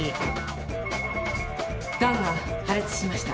ガンが破裂しました。